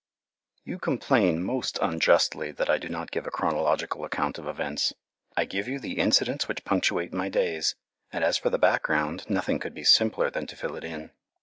You complain most unjustly that I do not give a chronological account of events. I give you the incidents which punctuate my days, and as for the background, nothing could be simpler than to fill it in.